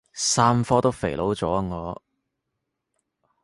三科都肥佬咗啊我